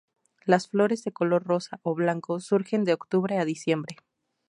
Las flores, de color rosa o blanco, surgen de octubre a diciembre.